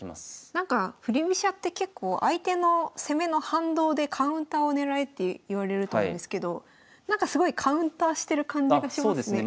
なんか振り飛車って結構相手の攻めの反動でカウンターを狙えっていわれると思うんですけどすごいカウンターしてる感じがしますね。